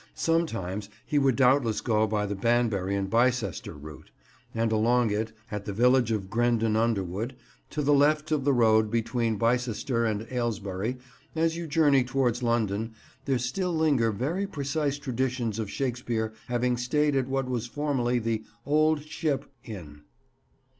Sometimes he would doubtless go by the Banbury and Bicester route: and along it, at the village of Grendon Underwood, to the left of the road between Bicester and Aylesbury, as you journey towards London, there still linger very precise traditions of Shakespeare having stayed at what was formerly the "Old Ship" inn.